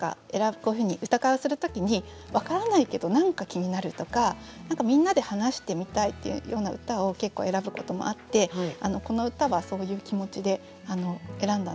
こういうふうに歌会をする時に分からないけど何か気になるとか何かみんなで話してみたいっていうような歌を結構選ぶこともあってこの歌はそういう気持ちで選んだんですけど。